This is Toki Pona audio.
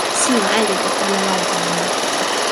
suno ali li kama wawa tawa ni.